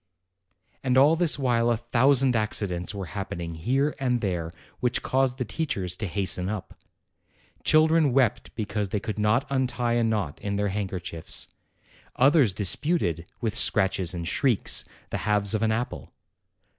And all this while a thousand accidents were hap pening here and there which caused the teachers to hasten up. Children wept because they could not untie a knot in their handkerchiefs. Others disputed, with scratches and shrieks, the halves of an apple.